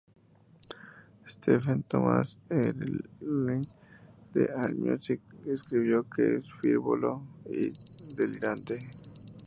Stephen Thomas Erlewine de Allmusic, escribió que es "frívolo" y "delirante".